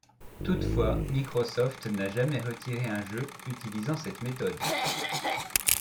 Toutefois, Microsoft n'a jamais retiré un jeu utilisant cette méthode.